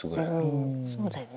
そうだよね。